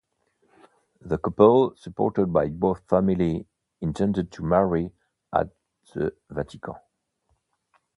The couple, supported by both families, intended to marry at the Vatican.